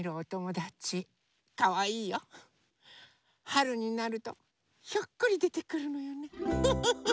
はるになるとひょっこりでてくるのよねフフフ。